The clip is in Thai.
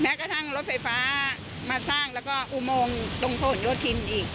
กระทั่งรถไฟฟ้ามาสร้างแล้วก็อุโมงตรงโผนโยธินอีก